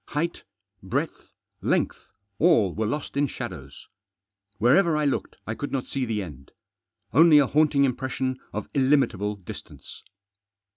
Height, breadth, length, all were lost in shadows. Wherever I looked I could not see the end. Only a haunting impression of illimitable distance.